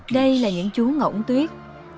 đây là những chú ngỗng tuyết